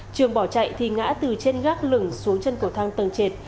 trường bỏ chạy thì ngã từ trên gác lửng xuống chân cầu thang tầng trệt